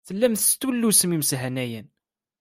Tellam testullusem imeshanayen.